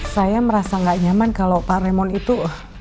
saya merasa gak nyaman kalau pak raymond itu